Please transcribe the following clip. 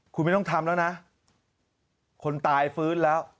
คุณไม่ต้องทำแล้วนะคนตายฟื้นแล้ว